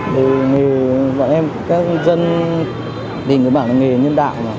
để bọn em các dân đình bảo là nghề nhân đạo